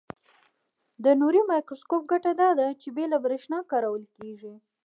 د نوري مایکروسکوپ ګټه داده چې بې له برېښنا کارول کیږي.